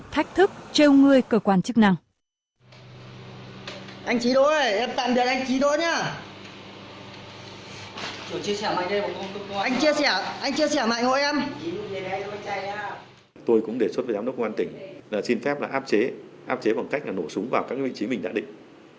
tôi cũng đề xuất với giám đốc quân an tỉnh là xin phép áp chế bằng cách nổ súng vào các vị trí mình đã định